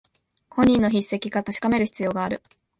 本人の筆跡か確かめる必要がある